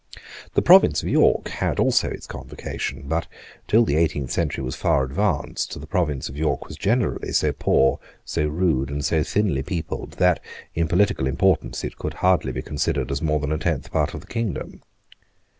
The Province of York had also its convocation: but, till the eighteenth century was far advanced, the Province of York was generally so poor, so rude, and so thinly peopled, that, in political importance, it could hardly be considered as more than a tenth part of the kingdom.